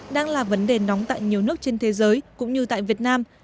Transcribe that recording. đang là vấn đề nóng tại nhiều nước trên thế giới cũng như tại việt nam